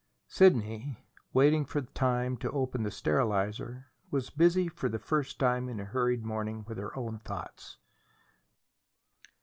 Sidney, waiting for the time to open the sterilizer, was busy, for the first time in her hurried morning, with her own thoughts.